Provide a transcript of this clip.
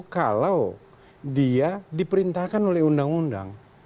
kalau dia diperintahkan oleh undang undang